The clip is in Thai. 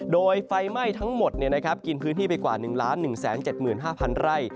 โดยไฟไหม้ทั้งหมดกินพื้นที่ไปกว่า๑๑๗๕๐๐ไร่